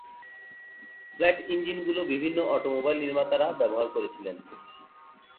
Flat ইঞ্জিনগুলি বিভিন্ন automobile নির্মাতারা ব্যবহার করেছিলেন।